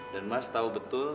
dan mas tau betul